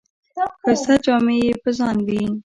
ښایسته جامې یې په ځان وې.